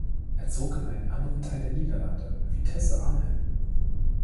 Er zog in einen anderen Teil der Niederlande, Vitesse Arnhem.